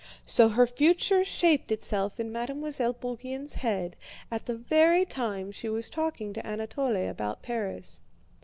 So her future shaped itself in Mademoiselle Bourienne's head at the very time she was talking to Anatole about Paris.